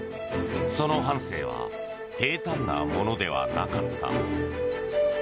その半生は平たんなものではなかった。